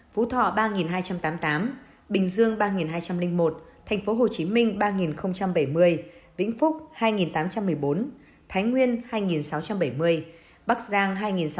phú thọ ba hai trăm tám mươi tám bình dương ba hai trăm linh một tp hcm ba bảy mươi vĩnh phúc hai tám trăm một mươi bốn thái nguyên hai sáu trăm bảy mươi bắc giang hai sáu trăm linh